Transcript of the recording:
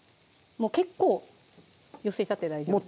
もう結構寄せちゃって大丈夫です